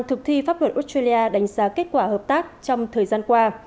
thực thi pháp luật australia đánh giá kết quả hợp tác trong thời gian qua